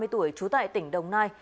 ba mươi tuổi trú tại tỉnh đồng nai